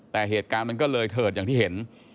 แต่เหตุการณ์มันก็เลยเถิดอย่างที่เห็น